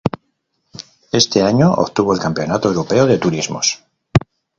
Ese año, obtuvo el Campeonato Europeo de Turismos.